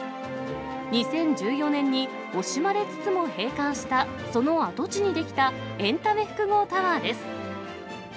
２０１４年に惜しまれつつも閉館したその跡地に出来たエンタメ複合タワーです。